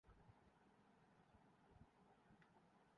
نریندر مودی کا مذاق اڑانے پر سونو نگم پر تنقید